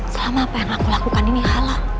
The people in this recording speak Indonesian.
selama apa yang aku lakukan ini halal